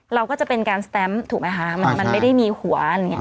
เราก็จะเป็นการสแตมท์ถูกไหมคะมันไม่ได้มีหัว